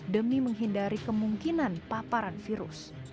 demi menghindari kemungkinan paparan virus